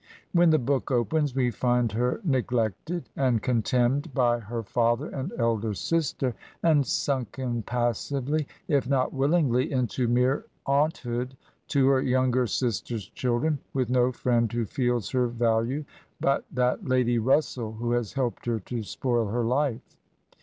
When the book opens we find her neglected and contemned by her father 52 Digitized by VjOOQIC ANNE ELLIOT AND CATHARINE MORLAND and elder sister, and sunken passively if not willingly into mere aunthood to her younger sister's children, with no friend who feels her value but that Lady Russell who has helped her to spoil her life.